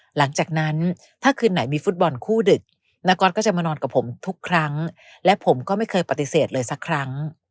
หลังจากนั้นถ้าคืนไหนมีฟุตบอลคู่ดึกนาก๊อตก็จะมานอนกับผมทุกครั้งและผมก็ไม่เคยปฏิเสธเลยสักครั้ง